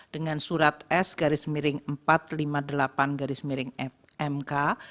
dengan surat s garis miring empat ratus lima puluh delapan garis miring mk